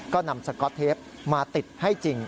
ก็นำสก๊อตเทปมาติดให้จริง